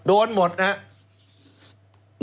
โดนหมดนะครับ